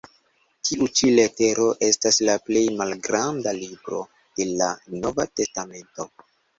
Tiu ĉi letero estas la plej malgranda "libro" de la Nova testamento.